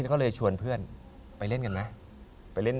ก็เลยชวนเพื่อนไปเล่นกันไหม